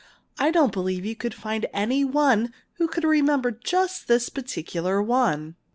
I don't believe you could find any one who could remember just this particular one!"